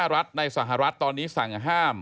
รัฐในสหรัฐตอนนี้สั่งห้าม